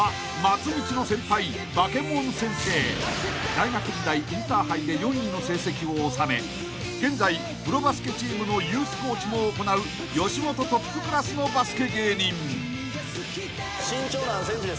［大学時代インターハイで４位の成績を収め現在プロバスケチームのユースコーチも行う吉本トップクラスのバスケ芸人］